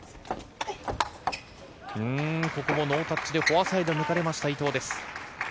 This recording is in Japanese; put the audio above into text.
ここもノータッチでフォアサイド抜かれました伊藤です。